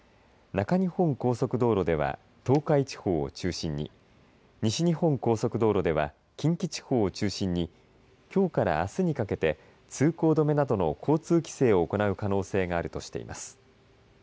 中日本高速道路では東海地方を中心に西日本高速道路では近畿地方を中心にきょうからあすにかけて通行止めなどの交通規制を行う可能性があるとしています。